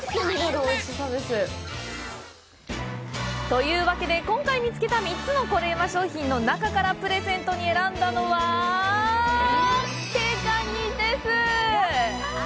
というわけで、今回見つけた３つのコレうま商品の中からプレゼントに選んだのは毛ガニです！